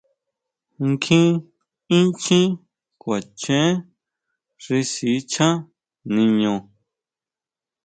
Nkjín inchjín kuachen xi sichán niñu.